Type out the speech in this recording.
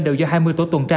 đều do hai mươi tổ tuần tra